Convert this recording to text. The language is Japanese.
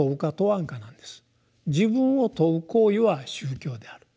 自分を問う行為は「宗教」である。